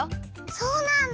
そうなんだ！